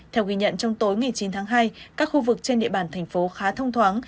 theo ghi nhận trong tối ngày chín tháng hai các khu vực trên địa bàn thành phố khá thông thoáng